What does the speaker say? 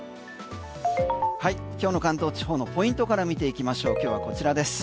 今日の関東地方のポイントから見ていきましょう今日はこちらです。